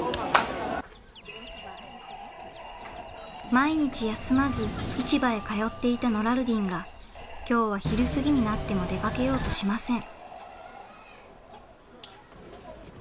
毎日休まず市場へ通っていたノラルディンが今日は昼過ぎになっても出かけようとしません。